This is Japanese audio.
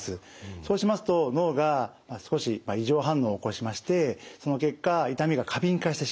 そうしますと脳が少し異常反応を起こしましてその結果痛みが過敏化してしまう。